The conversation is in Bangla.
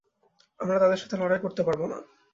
আমরা তাদের সাথে লড়াই করতে পারবো না।